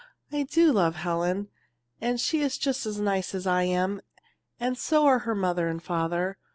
I do love Helen, and she is just as nice as I am, and so are her mother and father.